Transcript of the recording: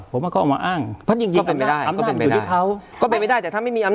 ผมว่าเขาอ้างดูมันเองอำนาจอยู่ในเขา